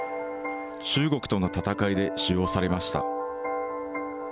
中国との戦いで使用されました。